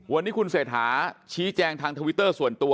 วันนี้คุณเศรษฐาชี้แจงทางทวิตเตอร์ส่วนตัว